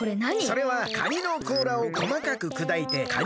それはカニのこうらをこまかくくだいてカニ